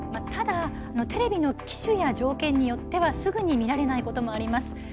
テレビの機種や条件によってはすぐに見られないこともあります。